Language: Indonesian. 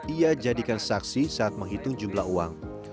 ia jadikan saksi saat menghitung jumlah uang